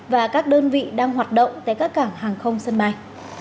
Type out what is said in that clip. và các đơn vị đang hoạt động tại các cảng hàng không sân bay